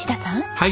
はい。